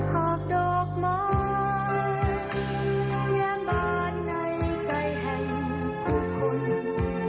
หากดอกไม้แย้งบาดในใจแห่งผู้คน